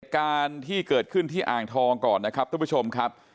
เหตุการณ์ที่เกิดขึ้นที่อ่างทองก่อนนะครับทุกผู้ชมครับ